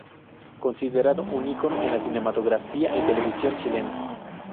Considerado un ícono en la cinematografía y televisión chilena.